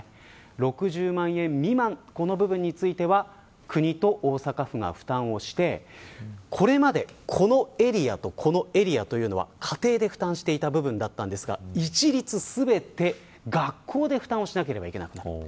６０万円未満この部分については国と大阪府が負担をしてこれまで、このエリアとこのエリアというのは家庭で負担していた部分でしたが一律全て学校で負担しなければいけない。